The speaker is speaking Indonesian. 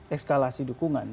ekskalasi dukungan ya